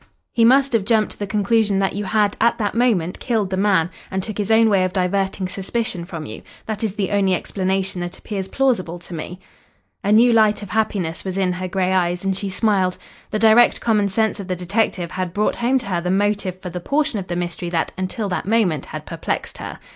He must have jumped to the conclusion that you had at that moment killed the man, and took his own way of diverting suspicion from you. That is the only explanation that appears plausible to me." A new light of happiness was in her grey eyes, and she smiled. The direct common sense of the detective had brought home to her the motive for the portion of the mystery that until that moment had perplexed her.